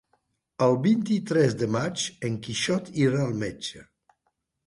El vint-i-tres de maig en Quixot irà al metge.